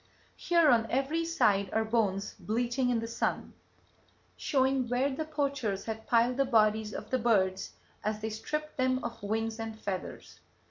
"Here on every side are bones bleaching in the sun, showing where the poachers had piled the bodies of the birds as they stripped them of wings and feathers.